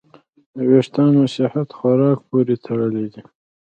د وېښتیانو صحت خوراک پورې تړلی دی.